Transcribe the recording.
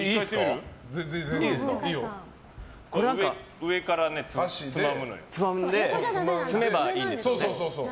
上から箸でつまんで積めばいいんですよね。